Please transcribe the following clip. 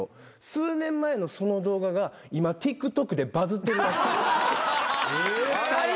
数年前のその動画が今ＴｉｋＴｏｋでバズってるらしい。